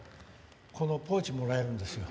このポーチもらえるんですよ。